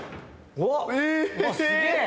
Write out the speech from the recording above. うわっすげえ！